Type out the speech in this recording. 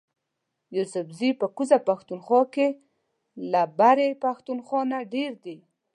یوسفزي په کوزه پښتونخوا کی له برۍ پښتونخوا نه ډیر دي